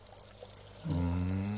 ふん。